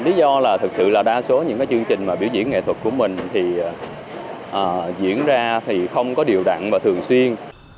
lý do là thực sự là đa số những chương trình biểu diễn nghệ thuật của mình thì diễn ra thì không có điều đẳng và thường xuyên